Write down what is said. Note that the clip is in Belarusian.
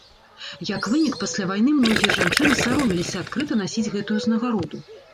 Як вынік, пасля вайны многія жанчыны саромеліся адкрыта насіць гэтую ўзнагароду.